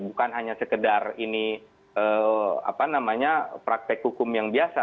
bukan hanya sekedar ini praktek hukum yang biasa